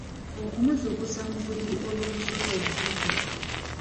Okumuzuukusa mu buliri olw’omusota obusota.